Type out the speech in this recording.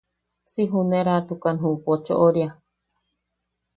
Si juneratukan ju pochoʼoria.